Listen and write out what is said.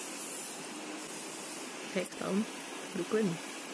Ingrid se dostalo vynikajícího vzdělání.